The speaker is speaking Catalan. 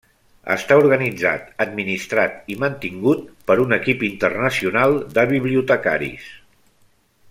Està organitzat, administrat i mantingut per un equip internacional de bibliotecaris.